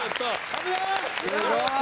・すごい。